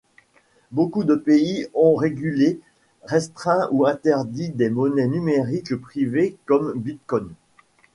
Beaucoup de pays ont régulé, restreint ou interdit des monnaies numériques privées comme Bitcoin.